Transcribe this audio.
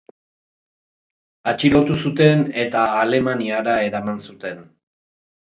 Atxilotu zuten eta Alemaniara eraman zuten.